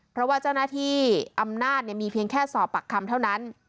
เพราะว่าเจ้าหน้าที่อำนาจมีเพียงแค่สอบปากคำเท่านั้น